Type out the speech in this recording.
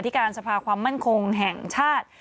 การสภาความมั่นคงแห่งชาติ